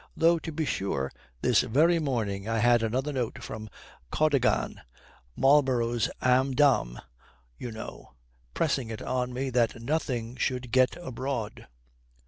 Though, to be sure, this very morning I had another note from Cadogan Marlborough's âme damnée you know pressing it on me that nothing should get abroad.